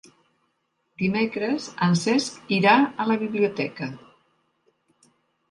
Dimecres en Cesc irà a la biblioteca.